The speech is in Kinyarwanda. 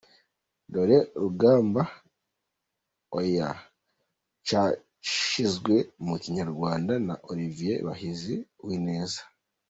Dorcy Rugamba : Oya cyashyizwe mu Kinyarwanda na Olivier Bahizi Uwineza.